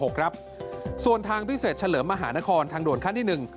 โทษครับส่วนทางพิเศษเฉลยมหานครทางโดนขั้นที่๑